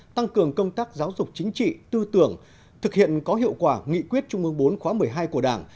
tăng cường công tác giáo dục chính trị tư tưởng thực hiện có hiệu quả nghị quyết trung ương bốn khóa một mươi hai của đảng